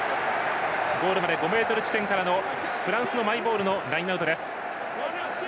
ゴールまで５ｍ地点からのフランスのマイボールのラインアウトです。